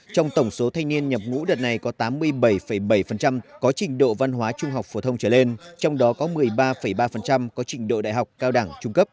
trong tổng số thanh niên nhập ngũ đợt này có tám mươi bảy bảy có trình độ văn hóa trung học phổ thông trở lên trong đó có một mươi ba ba có trình độ đại học cao đẳng trung cấp